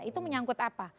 itu menyangkut apa